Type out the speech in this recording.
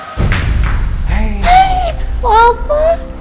dengan diri bisa lakuin